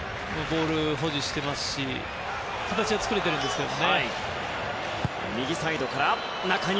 ボールを保持していますし形は作れてるんですけど。